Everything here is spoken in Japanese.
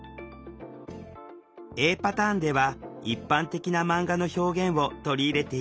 Ａパターンでは一般的なマンガの表現を取り入れているわ。